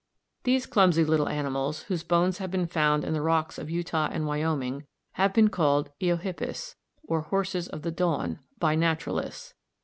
These clumsy little animals, whose bones have been found in the rocks of Utah and Wyoming, have been called Eohippus, or horses of the dawn, by naturalists.